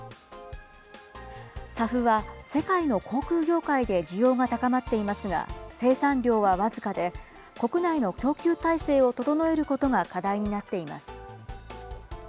ＳＡＦは、世界の航空業界で需要が高まっていますが、生産量は僅かで、国内の供給体制を整えることが課題になっています。